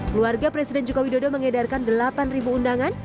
keluarga presiden jokowi dodo mengedarkan delapan undangan